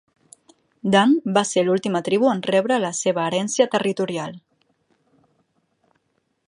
Dan va ser l"última tribu en rebre la seva herència territorial.